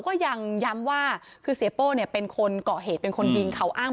ก็ยังย้ำว่าคือเสียโป้เนี่ยเป็นคนเกาะเหตุเป็นคนยิงเขาอ้าง